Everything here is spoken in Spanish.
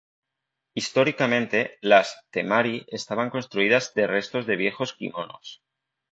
Históricamente, las "temari" estaban construidas de restos de viejos kimonos.